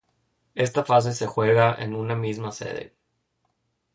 Esta fase se juega en una misma sede.